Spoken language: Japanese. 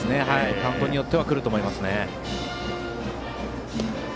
カウントによっては来ると思います。